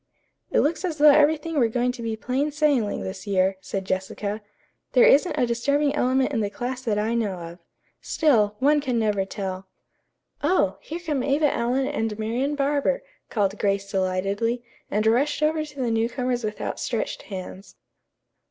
"It looks as though everything were going to be plain sailing this year," said Jessica. "There isn't a disturbing element in the class that I know of. Still, one can never tell." "Oh, here come Eva Allen and Marian Barber," called Grace delightedly, and rushed over to the newcomers with outstretched hands.